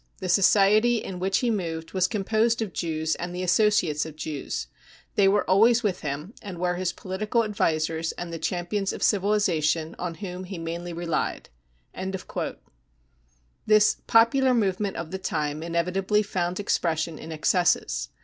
The society in which he moved was composed of Jews and the associates of ■ Jews ; they were always with him, and were his political advisers and the champions of civilisation on whom he mainly relied . 59 This 46 popular movement 55 of the time inevitably found expression in excesses.